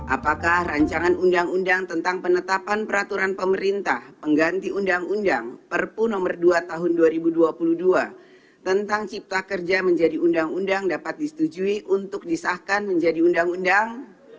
apakah rancangan undang undang tentang penetapan peraturan pemerintah pengganti undang undang perpu nomor dua tahun dua ribu dua puluh dua tentang cipta kerja menjadi undang undang dapat disetujui untuk disahkan menjadi undang undang